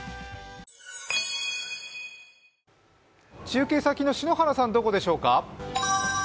中継先の篠原さん、どこでしょうか？